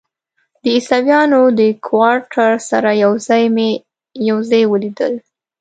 د عیسویانو کوارټر سره یو ځای مې یو ځای ولیدل.